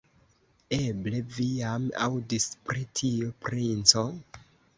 Eble vi jam aŭdis pri tio, princo?